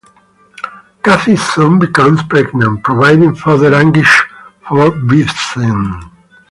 Cathy soon becomes pregnant, providing further anguish for Vincent.